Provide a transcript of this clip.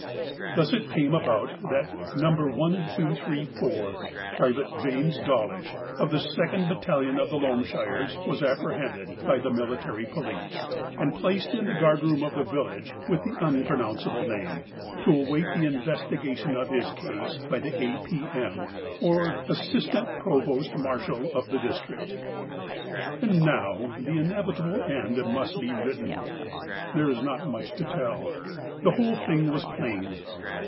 Thus it came about that No. 1234, Private James Dawlish, of the second battalion of the Loamshires, was apprehended by the Military Police, and placed in the guard room of the village with the unpronounceable name, to await the investigation of his case by the A. P.M. or assistant provost marshal of the district. •••• And now the inevitable end must be written. There is not much to tell ; the whole thing was plain.